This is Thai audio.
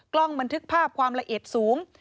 กล้องบันทึกภาพความละเอียดสูง